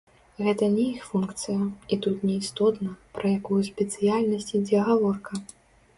Гэта не іх функцыя, і тут не істотна, пра якую спецыяльнасць ідзе гаворка.